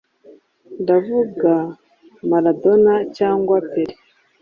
Ndavuga Maradona cyangwa Pele